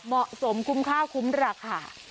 เหมาะสมคุ้มค่าคุ้มราคา